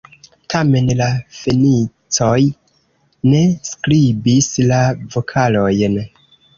Tamen la Fenicoj ne skribis la vokalojn.